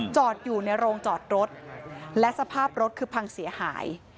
จอดอยู่ในโรงจอดรถและสภาพรถคือพังเสียหาย